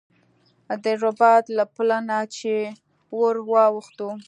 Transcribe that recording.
د رباط له پله نه چې ور واوښتو.